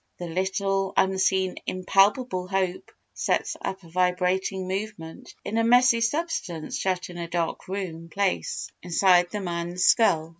The little, unseen impalpable hope sets up a vibrating movement in a messy substance shut in a dark warm place inside the man's skull.